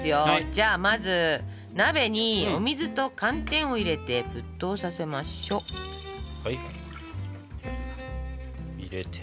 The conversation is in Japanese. じゃあまず鍋にお水と寒天を入れて沸騰させましょ。入れて。